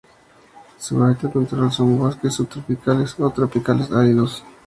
Su hábitat natural son: bosques subtropicales o tropicales áridos.